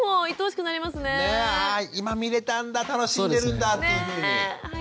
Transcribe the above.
今見れたんだ楽しんでるんだっていうふうに。